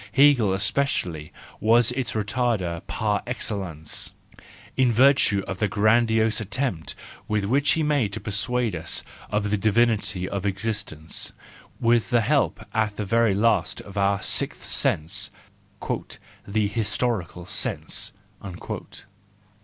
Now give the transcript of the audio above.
Hegel especially was its retarder par excellence , in virtue of the grandiose attempt which he made to persuade us of the divinity of existence, with the help at the very last of our sixth sense, " the historical sense."